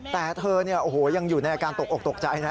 แต่เธอเนี่ยโอ้โหยังอยู่ในอาการตกออกตกใจนะ